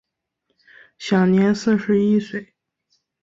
享年四十一岁。